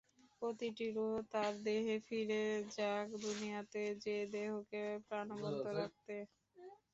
প্রতিটি রূহ তার দেহে ফিরে যাক দুনিয়াতে যে দেহকে প্রাণবন্ত রাখতে।